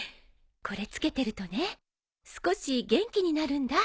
これ付けてるとね少し元気になるんだ。